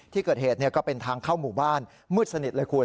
ที่เกิดเหตุก็เป็นทางเข้าหมู่บ้านมืดสนิทเลยคุณ